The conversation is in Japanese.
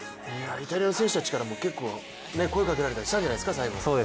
イタリアの選手たちからも結構声をかけられたりしたんじゃないですか、最後。